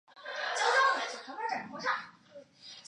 兴元县是越南乂安省下辖的一个县。